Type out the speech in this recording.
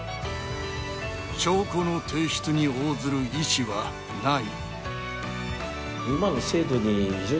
「証拠の提出に応ずる意思はない」